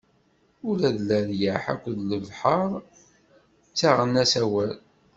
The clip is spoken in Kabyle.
Ula d leryaḥ akked lebḥeṛ ttaɣen-as awal!